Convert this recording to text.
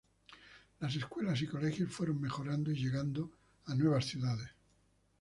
Las escuelas y colegios fueron mejorando y llegando a nuevas ciudades.